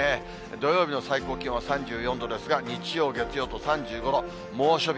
土曜日の最高気温は３４度ですが、日曜、月曜と３５度、猛暑日。